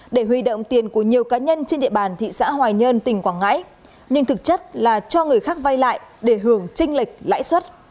để huy động tiền của nhiều cá nhân trên địa bàn thị xã hoài nhơn tỉnh quảng ngãi nhưng thực chất là cho người khác vay lại để hưởng tranh lệch lãi suất